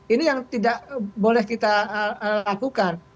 ini yang tidak boleh kita lakukan